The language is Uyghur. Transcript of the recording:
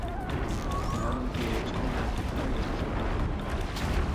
مەلۇمكى، ھېچكىمدە تەكرار ياشاش ھوقۇقى بولمايدۇ.